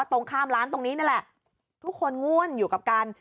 ตรงข้ามร้านตรงนี้นั่นแหละทุกคนง่วนอยู่กับการ